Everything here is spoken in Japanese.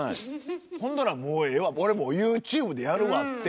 ほんだらもうええわ俺もうＹｏｕＴｕｂｅでやるわって。